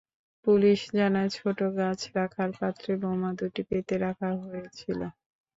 Police জানায়, ছোট গাছ রাখার পাত্রে বোমা দুটি পেতে রাখা হয়েছিল।